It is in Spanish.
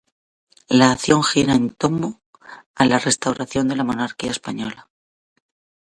La acción gira en tomo a la restauración de la monarquía española.